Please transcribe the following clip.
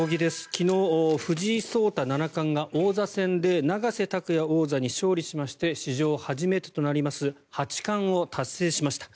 昨日、藤井聡太七冠が王座戦で永瀬拓矢王座に勝利しまして史上初めてとなります八冠を達成しました。